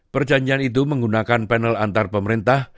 perjanjian itu menggunakan panel antar pemerintah